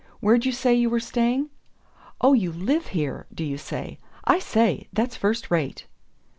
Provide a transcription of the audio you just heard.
Where'd you say you were staying? Oh, you LIVE here, do you? I say, that's first rate!"